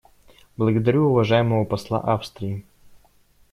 Благодарю уважаемого посла Австрии.